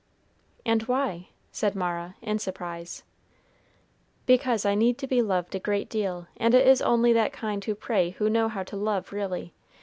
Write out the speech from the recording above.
"And why?" said Mara, in surprise. "Because I need to be loved a great deal, and it is only that kind who pray who know how to love really.